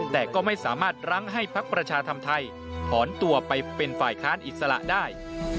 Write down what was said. แต่ก็ไม่สามารถรั้งให้พักประชาธรรมไทยถอนตัวไปเป็นฝ่ายค้านอิสระได้